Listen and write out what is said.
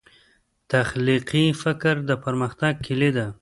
تخلیقي فکر د پرمختګ کلي دی.